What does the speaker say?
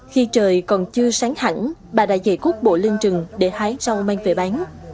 khi trời còn chưa sáng hẳn bà đã dễ cút bộ lên trừng để hái rau mang về bán